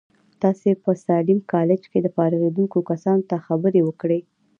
تاسې په ساليم کالج کې فارغېدونکو کسانو ته خبرې وکړې.